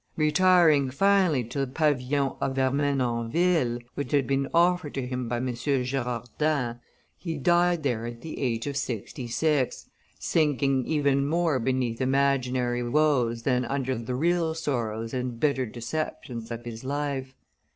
Retiring, finally, to the pavilion of Ermenonville, which had been offered to him by M. de Girardin, he died there at the age of sixty six, sinking even more beneath imaginary woes than under the real sorrows and bitter deceptions of his life.